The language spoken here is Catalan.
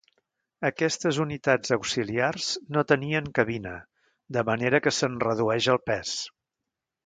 Aquestes unitats auxiliars no tenien cabina, de manera que se'n redueix el pes.